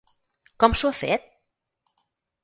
Com s'ho ha fet?